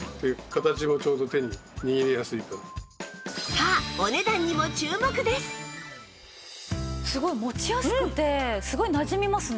さあすごい持ちやすくてすごいなじみますね。